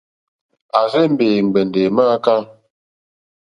À rzé-mbè è ŋgbɛ̀ndɛ̀ è mááká.